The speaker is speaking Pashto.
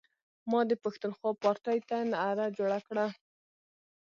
ما د پښتونخوا پارټۍ ته نعره جوړه کړه.